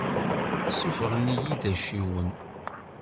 Ssuffɣen-iyi-d acciwen.